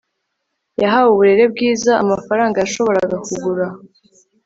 yahawe uburere bwiza amafaranga yashoboraga kugura